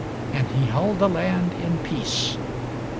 And he held the land in peace.